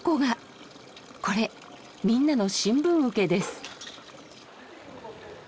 これみんなの新聞受けです。